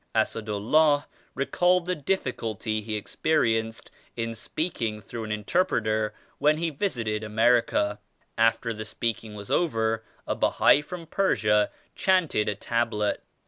Assad Ullah recalled the difficulty he experienced in speaking through an interpreter when he visited America. After the speaking was over, a Bahai from Persia chanted a Tablet.